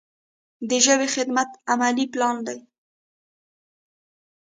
د ژبې خدمت عملي پلان دی.